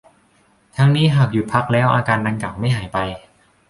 ทั้งนี้ หากหยุดพักแล้วอาการดังกล่าวไม่หายไป